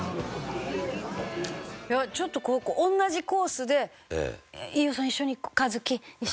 ちょっと同じコースで飯尾さん一緒に和樹一緒に行こう。